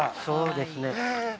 そうですね